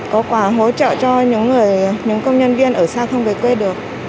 có quà hỗ trợ cho những công nhân viên ở xa không về quê được